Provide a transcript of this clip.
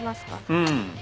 うん。